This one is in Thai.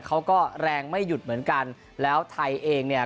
เขาก็แรงไม่หยุดเหมือนกันแล้วไทยเองเนี่ย